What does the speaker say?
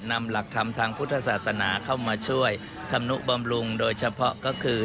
นำหลักธรรมทางพุทธศาสนาเข้ามาช่วยธรรมนุบำรุงโดยเฉพาะก็คือ